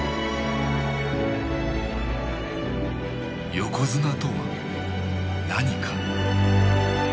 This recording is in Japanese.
横綱とは何か。